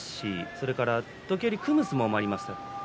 それから時折、組む相撲もあります。